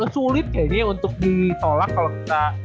sulit kayaknya untuk ditolak kalau kita